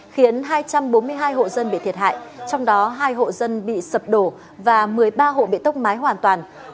khiến hai trăm bốn mươi hai hộ dân bị thiệt hại trong đó hai hộ dân bị sập đổ và một mươi ba hộ bị tốc mái hoàn toàn